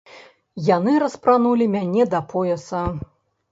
Яны распранулі мяне да пояса.